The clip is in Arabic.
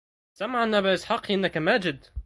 سمعا أبا إسحق إنك ماجد